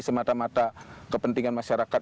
semata mata kepentingan masyarakat